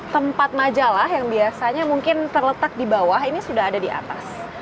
tempat majalah yang biasanya mungkin terletak di bawah ini sudah ada di atas